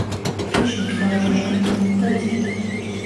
ფრის შემთხვევაში შემადგენლობა იზრდება.